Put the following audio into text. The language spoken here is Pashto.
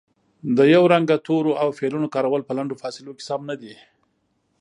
د یو رنګه تورو او فعلونو کارول په لنډو فاصلو کې سم نه دي